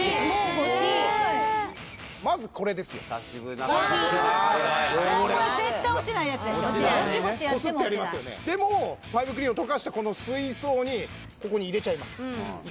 もうこれゴシゴシやっても落ちないファイブクリーンを溶かしたこの水槽にここに入れちゃいます